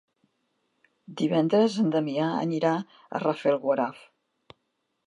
Divendres en Damià anirà a Rafelguaraf.